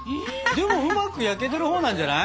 でもうまく焼けてるほうなんじゃない？